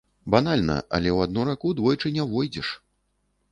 Банальна, але ў адну раку двойчы не ўвойдзеш.